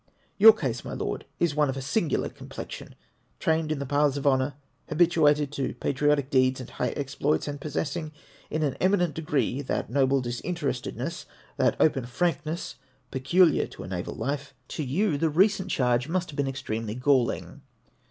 Your case, my Lord, is one of a singular complexion. Trained in the paths of honour, habit uated to patriotic deeds and high exploits, and possessing in an eminent degree that noble disinterestedness, that open frankness peculiar to a naval life, to you the recent charge ADDEESS TO LORD COCHRANE. 46 5 must have been extremely galling.